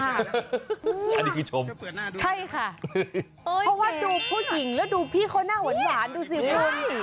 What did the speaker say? อันนี้คือชมใช่ค่ะเพราะว่าดูผู้หญิงแล้วดูพี่เขาหน้าหวานดูสิคุณ